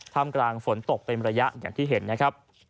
ทำกลางฝนตกเป็นระยะอย่างที่เห็นนะครับ